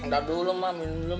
tanda dulu mah minum dulu mah